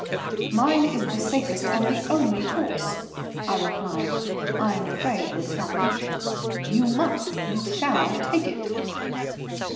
"Mine is the safest and the only course," I replied, I am afraid with some heat. "You must, you shall take it."